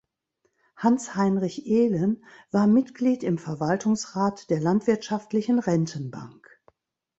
Hans-Heinrich Ehlen war Mitglied im Verwaltungsrat der Landwirtschaftlichen Rentenbank.